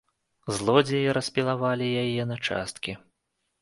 Злодзеі распілавалі яе на часткі.